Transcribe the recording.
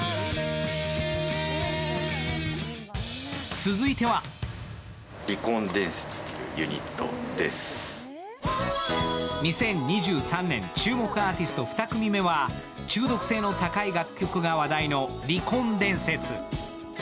続いては２０２３年、注目アーティスト２組目は中毒性の高い楽曲が話題の離婚伝説。